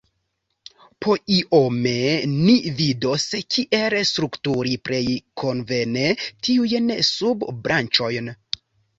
Poiome ni vidos, kiel strukturi plej konvene tiujn subbranĉojn.